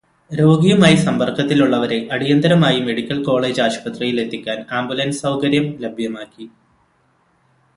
രോഗിയുമായി സമ്പര്ക്കത്തിലുള്ളവരെ അടിയന്തരമായി medical college ആശുപത്രിയിലെത്തിക്കാന് ambulance സൗകര്യം ലഭ്യമാക്കി.